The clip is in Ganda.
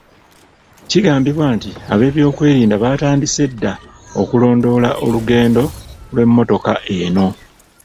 Kigambibwa nti ab'ebyokwerinda baatandise dda okulondoola olugendo lw'emmotoka eno.